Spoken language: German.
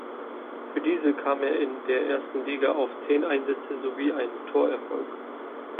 Für diese kam er in der ersten Liga auf zehn Einsätze sowie einen Torerfolg.